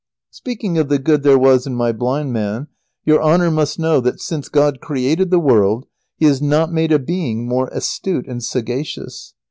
Speaking of the good there was in my blind man, your Honour must know that since God created the world He has not made a being more astute and sagacious.